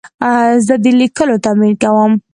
زه د لیکلو تمرین کوم.